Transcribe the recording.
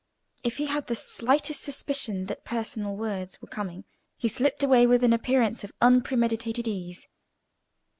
If he had the slightest suspicion that personal words were coming, he slipped away with an appearance of unpremeditated ease.